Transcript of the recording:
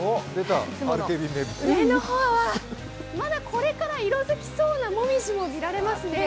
上の方は、まだこれから色づきそうなもみじも見られますね。